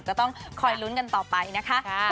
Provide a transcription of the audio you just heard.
ก็ต้องคอยลุ้นกันต่อไปนะคะ